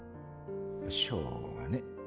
しょうがねぇ。